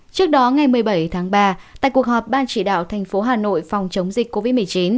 trước đó ngày một mươi bảy tháng ba tại cuộc họp ban chỉ đạo thành phố hà nội phòng chống dịch covid một mươi chín